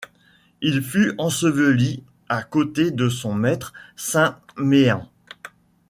Il fut enseveli à côté de son maître saint Méen.